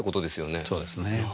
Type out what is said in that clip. そうですね。